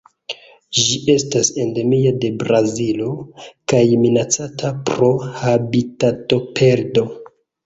Ĝi estas endemia de Brazilo kaj minacata pro habitatoperdo.